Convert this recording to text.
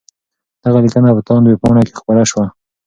دغه لیکنه په تاند ویبپاڼه کي خپره سوې ده.